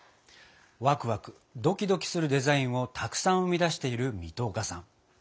ワクワクドキドキするデザインをたくさん生み出している水戸岡さん。